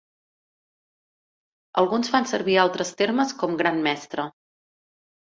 Alguns fan servir altres termes com "gran mestre".